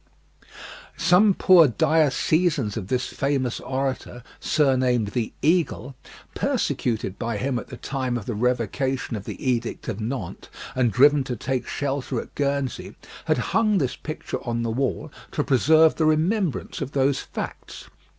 Some poor diocesans of this famous orator, surnamed the "Eagle," persecuted by him at the time of the Revocation of the Edict of Nantes, and driven to take shelter at Guernsey, had hung this picture on the wall to preserve the remembrance of those facts.